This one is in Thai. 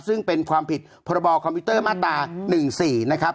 ซึ่งเป็นความผิดพคมาตรา๑๔นะครับ